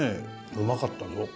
うまかったぞ。